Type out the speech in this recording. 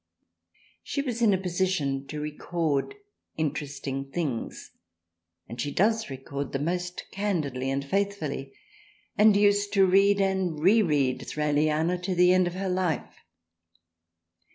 She was in a position to record interesting things, and she THRALIANA s does record them most candidly and faithfully, and used to read and re read Thraliana to the end of her life.